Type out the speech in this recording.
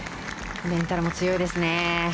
メンタルも強いですね。